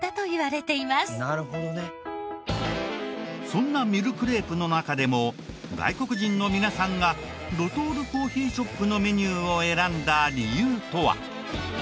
そんなミルクレープの中でも外国人の皆さんがドトールコーヒーショップのメニューを選んだ理由とは？